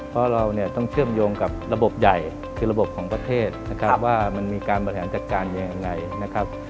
เพราะเราเนี่ยต้องเชื่อมโยงกับระบบใหญ่คือระบบของประเทศนะครับว่ามันมีการบริหารจัดการยังไงนะครับ